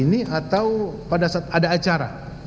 ini atau pada saat ada acara